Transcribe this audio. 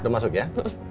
sudah masuk ya